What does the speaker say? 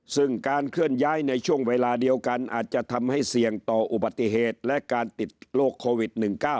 ซึ่งการเคลื่อนย้ายในช่วงเวลาเดียวกันอาจจะทำให้เสี่ยงต่ออุบัติเหตุและการติดโรคโควิด๑๙